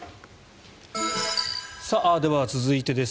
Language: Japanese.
では、続いてです。